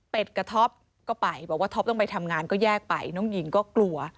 เป็นกับท็อปก็ไปบอกว่าท็อปต้องไปทำงานก็แยกไปน้องหญิงก็กลัว